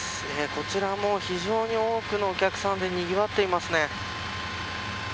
こちらも非常に多くのお客さんでにぎわっていますね。